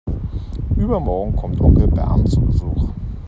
Übermorgen kommt Onkel Bernd zu Besuch.